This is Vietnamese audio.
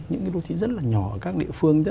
những cái đô thị rất là nhỏ ở các địa phương